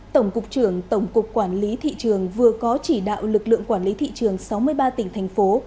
tổng cục trưởng tổng cục quản lý thị trường vừa có chỉ đạo lực lượng quản lý thị trường sáu mươi ba tỉnh thành phố